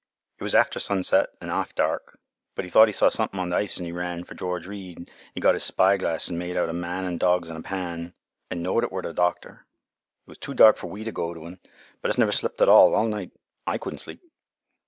It was after sunset an' half dark, but 'e thought 'e saw somethin' on th' ice an' 'e ran for George Read an' 'e got 'is spy glass an' made out a man an' dogs on a pan an' knowed it war th' doctor. "It was too dark fur we t' go t' un, but us never slept at all, all night. I couldn' sleep.